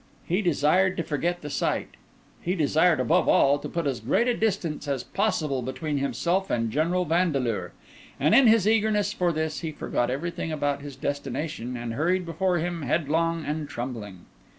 He desired to forget the sight; he desired, above all, to put as great a distance as possible between himself and General Vandeleur; and in his eagerness for this he forgot everything about his destination, and hurried before him headlong and trembling.